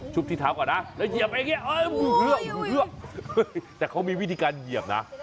ชุบที่เท้าก่อนนะ